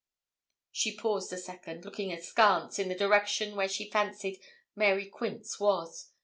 She paused a second, looking askance, in the direction where she fancied Mary Quince was.